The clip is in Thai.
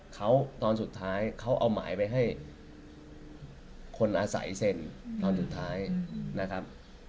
เขาตอนสุดท้ายเขาเอาหมายไปให้คนอาศัยเซ็นตอนสุดท้ายนะครับ